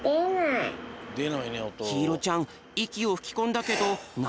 ひいろちゃんいきをふきこんだけどなにもおきない。